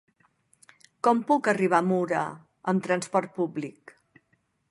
Com puc arribar a Mura amb trasport públic?